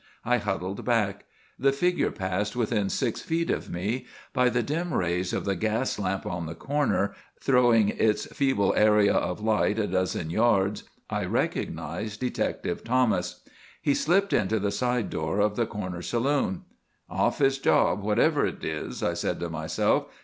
I huddled back. The figure passed within six feet of me. By the dim rays of the gas lamp on the corner, throwing its feeble area of light a dozen yards, I recognised Detective Thomas. He slipped into the side door of the corner saloon. "Off his job, whatever it is," I said to myself.